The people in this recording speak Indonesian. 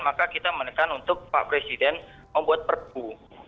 maka kita menekan untuk pak presiden membuat perpu